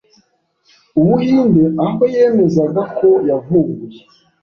Ubuhinde aho yemezaga ko yavumbuye